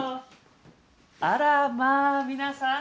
あらまあ皆さん。